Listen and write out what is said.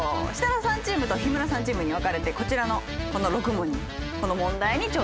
設楽さんチームと日村さんチームに分かれてこちらのこの６問に。